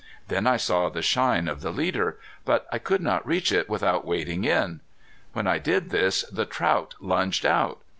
Then I saw the shine of the leader. But I could not reach it without wading in. When I did this the trout lunged out.